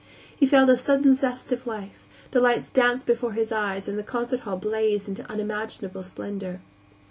He felt a sudden zest of life; the lights danced before his eyes and the concert hall blazed into unimaginable splendor.